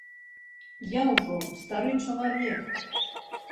Я ўжо стары чалавек.